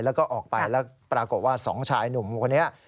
แล้วก็ออกไปแล้วปรากฏว่าสองชายหนุ่มคนนี้